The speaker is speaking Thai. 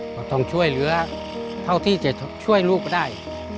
ต้องช่วยเหลือเท่าที่จะช่วยลูกก็ได้